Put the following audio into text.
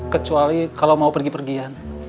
kecuali kalau mau pergi pergian